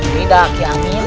tidak ya amin